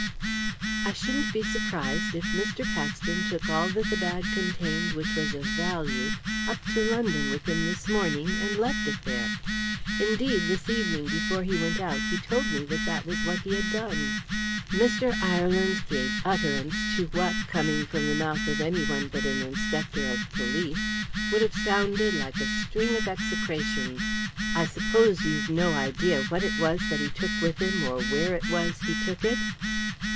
"I shouldn't be surprised if Mr. Paxton took all that the bag contained which was of value up to London with him this morning, and left it there. Indeed, this evening, before he went out, he told me that that was what he had done." Mr. Ireland gave utterance to what, coming from the mouth of any one but an inspector of police, would have sounded like a string of execrations. "I suppose you've no idea what it was that he took with him or where it was he took it?"